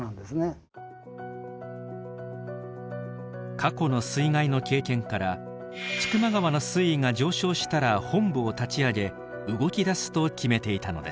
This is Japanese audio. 過去の水害の経験から千曲川の水位が上昇したら本部を立ち上げ動きだすと決めていたのです。